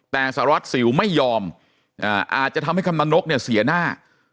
แต่สารวัตรสิวไม่ยอมอาจจะทำให้กำนันนกเนี่ยเสียหน้า